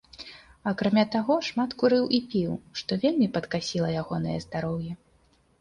Акрамя таго, шмат курыў і піў, што вельмі падкасіла ягонае здароўе.